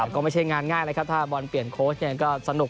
ก็ไม่ใช่งานง่ายเลยครับถ้าบอลเปลี่ยนโค้ชเนี่ยก็สนุกเลยครับ